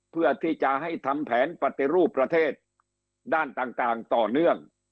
เพื่อที่จะให้ทำแผนปฏิรูปประเทศด้านต่างต่อเนื่อง